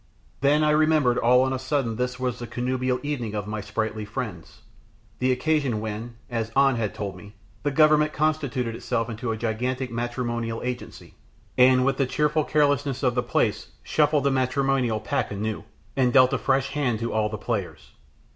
Then I remembered all on a sudden this was the connubial evening of my sprightly friends the occasion when, as An had told me, the Government constituted itself into a gigantic matrimonial agency, and, with the cheerful carelessness of the place, shuffled the matrimonial pack anew, and dealt a fresh hand to all the players.